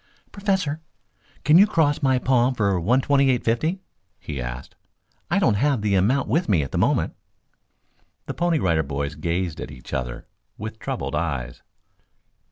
"Professor, can you cross my palm for one twenty eight fifty?" he asked. "I don't have the amount with me at the moment." The Pony Rider Boys gazed at each other with troubled eyes.